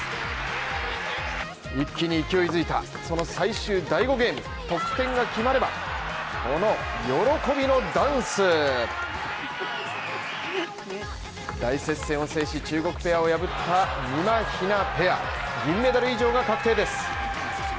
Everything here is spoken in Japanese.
一気に勢いづいたその最終第５ゲーム、得点が決まると、この喜びのダンス大接戦を制し中国ペアを破ったみまひなペア、銀メダル以上が確定です。